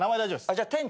じゃあ店長で。